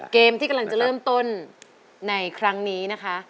เกมที่กำลังจะเริ่มต้นในครั้งนี้นะคะ